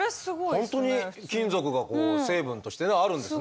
本当に金属がこう成分としてあるんですね。